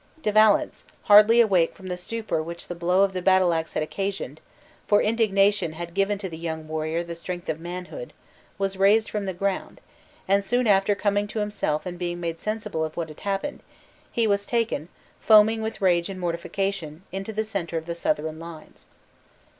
De Valence, hardly awake from the stupor which the blow of the battle ax had occasioned (for indignation had given to the young warrior the strength of manhood), was raised from the ground; and soon after coming to himself and being made sensible of what had happened, he was taken, foaming with rage and mortification, into the center of the Southron lines.